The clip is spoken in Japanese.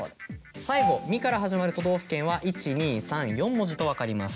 最後「み」から始まる都道府県は１・２・３・４文字と分かります。